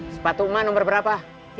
sepatu umah nomor berapa